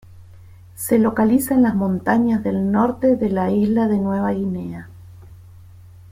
Se localiza en las montañas del norte de la isla de Nueva Guinea.